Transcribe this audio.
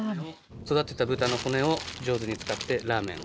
育てた豚の骨を上手に使ってラーメンを。